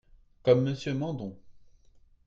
Comme Monsieur Mandon